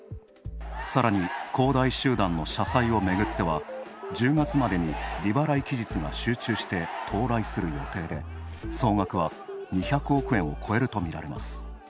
さらに恒大集団の社債をめぐっては１０月までに利払い期日が集中して到来する予定で、総額は２００億円を超えるとみられます。